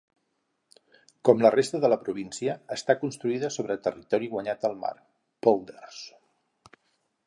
Com la resta de la província, està construïda sobre territori guanyat al mar: pòlders.